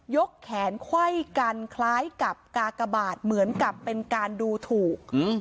กแขนไขว้กันคล้ายกับกากบาทเหมือนกับเป็นการดูถูก